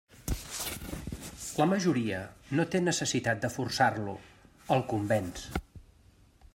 La majoria no té necessitat de forçar-lo; el convenç.